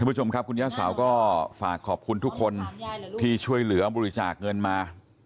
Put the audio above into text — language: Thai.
ผู้ชมครับคุณย่าสาวก็ฝากขอบคุณทุกคนที่ช่วยเหลือบริจาคเงินมา